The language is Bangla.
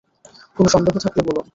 কোন সন্দেহ থাকলে বলুন।